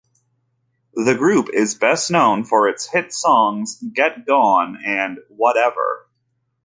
The group is best known for its hit songs "Get Gone" and "Whatever.